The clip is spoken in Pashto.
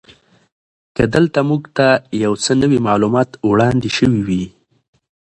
که دلته موږ ته یو څه نوي معلومات وړاندې شوي وی.